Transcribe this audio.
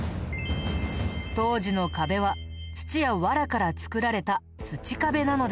当時の壁は土や藁から作られた土壁なので。